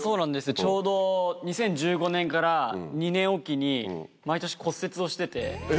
ちょうど２０１５年から２年置きに、毎年骨折をしてて。